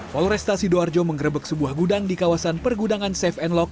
polresta sidoarjo menggerebek sebuah gudang di kawasan pergudangan safe and lock